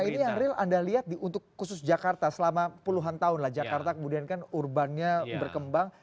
nah ini yang real anda lihat untuk khusus jakarta selama puluhan tahun lah jakarta kemudian kan urbannya berkembang